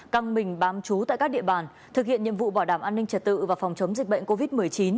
căng mình bám chú tại các địa bàn thực hiện nhiệm vụ bảo đảm an ninh trật tự và phòng chống dịch bệnh covid một mươi chín